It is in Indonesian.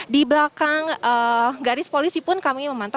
di belakang garis polisi pun kami memantau